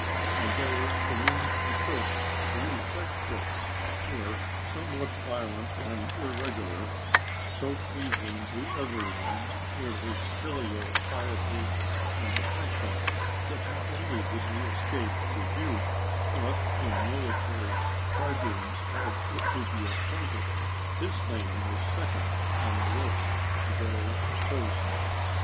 And though the means he took to effect this were somewhat violent and irregular, so pleasing to everyone were his filial piety and affection, that not only did he escape rebuke, but when military tribunes had to be appointed his name was second on the list of those chosen.